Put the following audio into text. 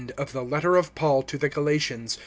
THE LETTER OF PAUL TO THE EPHESIANS.